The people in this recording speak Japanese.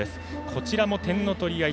こちらも点の取り合い